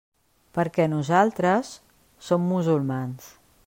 Perquè nosaltres... som musulmans.